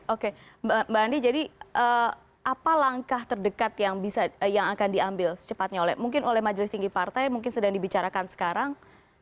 oke mbak andi jadi apa langkah terdekat yang akan diambil secepatnya mungkin oleh majelis tinggi partai mungkin sedang dibicarakan sekarang